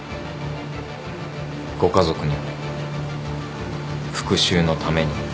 ご家族の復讐のために。